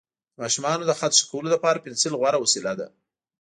د ماشومانو د خط ښه کولو لپاره پنسل غوره وسیله ده.